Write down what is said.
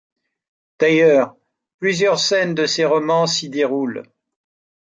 D'ailleurs, plusieurs scènes de ses romans s'y déroulent.